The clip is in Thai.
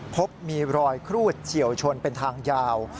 พบมีรอยครูดเฉียวชนเป็นทางยาว